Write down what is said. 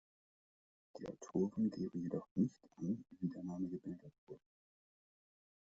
Die Autoren geben jedoch nicht an, wie der Name gebildet wurde.